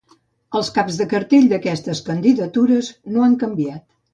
Els caps de cartell d’aquestes candidatures no han canviat.